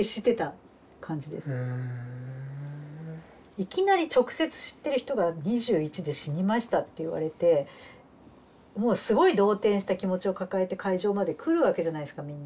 いきなり直接知ってる人が２１で死にましたって言われてもうすごい動転した気持ちを抱えて会場まで来るわけじゃないですかみんな。